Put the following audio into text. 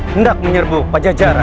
hendak menyerbu pada jarak